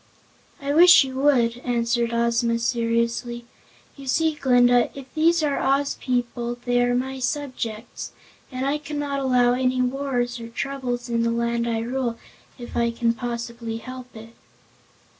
"I wish you would," answered Ozma seriously. "You see, Glinda, if these are Oz people they are my subjects and I cannot allow any wars or troubles in the Land I rule, if I can possibly help it."